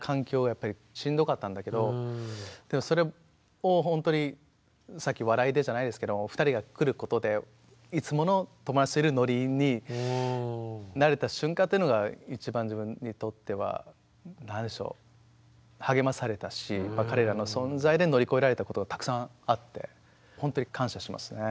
やっぱりしんどかったんだけどでもそれをほんとにさっき笑いでじゃないですけれど２人が来ることでいつもの友達といるノリになれた瞬間というのが一番自分にとっては何でしょう励まされたし彼らの存在で乗り越えられたことがたくさんあってほんとに感謝しますね